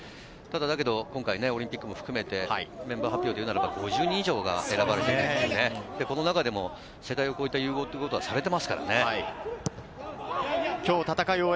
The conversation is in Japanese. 今回オリンピックも含めてメンバー発表というならば、５０人以上が選ばれて、この中でも世代を越えた融合はされていますからね。